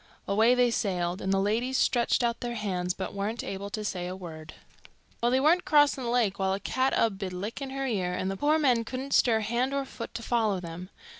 Away they sailed, and the ladies stretched out their hands, but weren't able to say a word. Well, they weren't crossing the lake while a cat 'ud be lickin' her ear, and the poor men couldn't stir hand or foot to follow them.